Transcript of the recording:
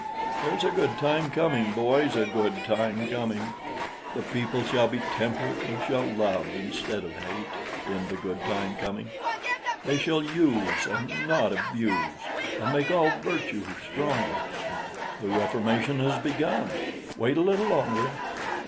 There's a good time coming, boys, A good time coming: The people shall be temperate, And shall love instead of hate, In the good time coming. They shall use, and not abuse, And make all virtue stronger; The reformation has begun; Wait a little longer.